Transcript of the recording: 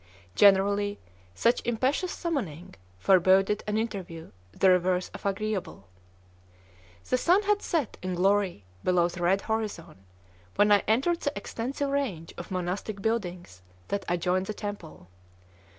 Generally, such impetuous summoning foreboded an interview the reverse of agreeable. The sun had set in glory below the red horizon when I entered the extensive range of monastic buildings that adjoin the temple.